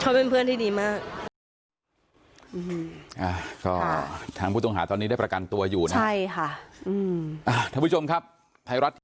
ใช่เขาดีเกินไปเขาเป็นเพื่อนที่ดีมาก